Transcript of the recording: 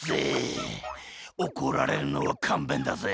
おこられるのはかんべんだぜ。